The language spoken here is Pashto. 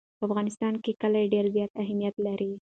په افغانستان کې کلي ډېر زیات اهمیت لري.